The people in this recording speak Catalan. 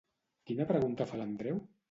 Quina pregunta fa l'Andreu?